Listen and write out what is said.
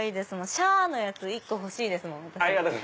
「シャー」のやつ１個欲しいです。